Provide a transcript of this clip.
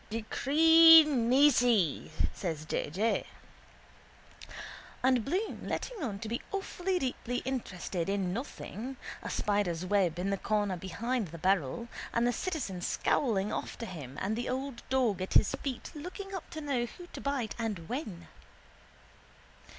—Decree nisi, says J. J. And Bloom letting on to be awfully deeply interested in nothing, a spider's web in the corner behind the barrel, and the citizen scowling after him and the old dog at his feet looking up to know who to bite and when.